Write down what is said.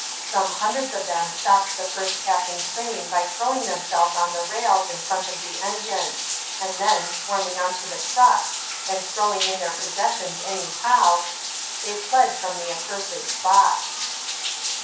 Some hundreds of them stopped the first passing train by throwing themselves on the rails in front of the engine, and then, swarming on to the trucks and throwing in their possessions anyhow, they fled from the accursed spot.